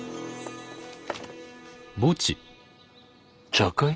茶会？